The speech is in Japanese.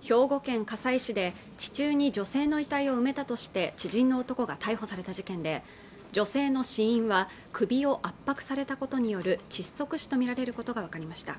兵庫県加西市で地中に女性の遺体を埋めたとして知人の男が逮捕された事件で女性の死因は首を圧迫されたことによる窒息死と見られることが分かりました